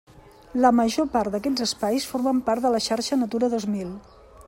La major part d'aquests espais formen part de la xarxa Natura dos mil.